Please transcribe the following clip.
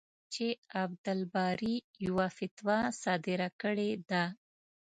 چې عبدالباري یوه فتوا صادره کړې ده.